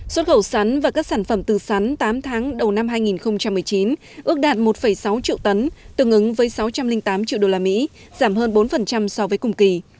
xuất khẩu sắn và các sản phẩm từ sắn tám tháng đầu năm hai nghìn một mươi chín ước đạt một sáu triệu tấn tương ứng với sáu trăm linh tám triệu usd giảm hơn bốn so với cùng kỳ